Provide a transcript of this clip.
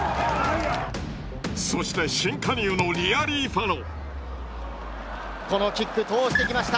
そして新加入のリアリーファノ。